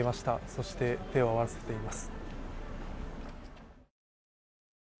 そして手を合わせています。